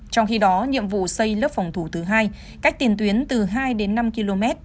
trong khi đó nhiệm vụ xây lớp phòng thủ thứ hai cách tiền tuyến từ hai đến năm km